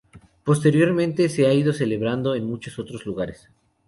Posteriormente se han ido celebrando en muchos otros lugares.